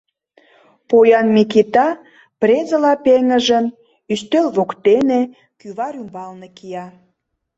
Поян Микита, презыла пеҥыжын, ӱстел воктене, кӱвар ӱмбалне кия.